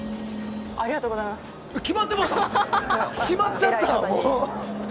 決まっちゃった？